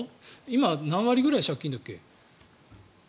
今、何割ぐらい借金だっけ？